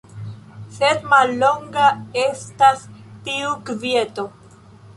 Sed mallonga estas tiu kvieto.